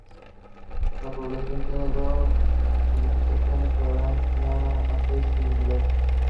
La población tiene dos edificaciones que la hacen singular.